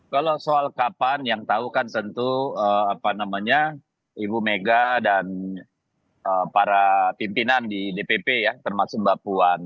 kalau soal kapan yang tahu kan tentu ibu mega dan para pimpinan di dpp ya termasuk mbak puan